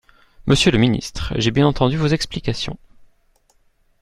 Monsieur le ministre, j’ai bien entendu vos explications.